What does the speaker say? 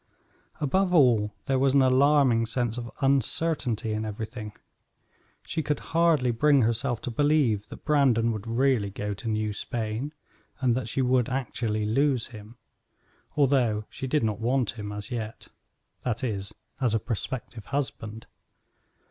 Above all, there was an alarming sense of uncertainty in everything. She could hardly bring herself to believe that Brandon would really go to New Spain, and that she would actually lose him, although she did not want him, as yet; that is, as a prospective husband.